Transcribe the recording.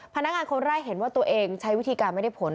พนักงานคนแรกเห็นว่าตัวเองใช้วิธีการไม่ได้ผล